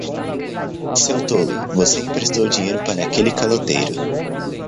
Seu tolo, você emprestou dinheiro para aquele caloteiro.